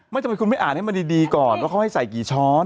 ทำไมคุณไม่อ่านให้มันดีก่อนว่าเขาให้ใส่กี่ช้อน